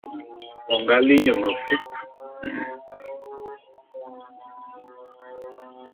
O nga li nye mefup.